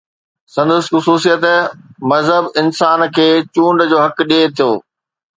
سندس خصوصيت مذهب انسان کي چونڊ جو حق ڏئي ٿو.